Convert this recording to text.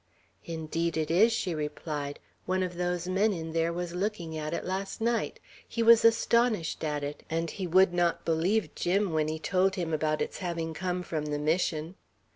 "Indeed it is," she replied; "one of those men in there was looking at it last night. He was astonished at it, and he would not believe Jim when he told him about its having come from the Mission."